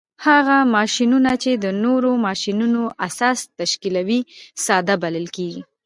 هغه ماشینونه چې د نورو ماشینونو اساس تشکیلوي ساده بلل کیږي.